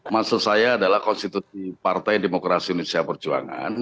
maksud saya adalah konstitusi partai demokrasi indonesia perjuangan